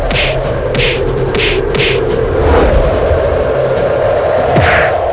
tidak ada apa apa